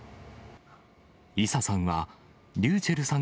伊佐さんは、ｒｙｕｃｈｅｌｌさ